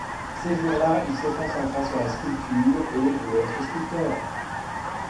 Ces jours-là il se concentra sur la sculpture et voulait être sculpteur.